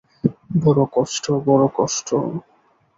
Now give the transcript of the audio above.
বড় কষ্ট, বড় কষ্ট!